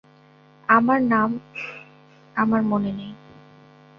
আমার নাম আমার মনে নেই।